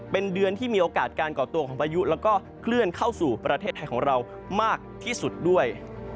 เป็นเดือนที่มีโอกาสการก่อตัวของพายุแล้วก็เคลื่อนเข้าสู่ประเทศไทยของเรามากที่สุดด้วย